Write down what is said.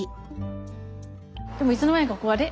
でもいつの間にかあれ？